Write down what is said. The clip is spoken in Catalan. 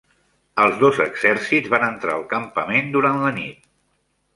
Els dos exèrcits van entrar al campament durant la nit.